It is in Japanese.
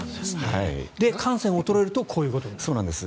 汗腺が衰えるとこういうことになる。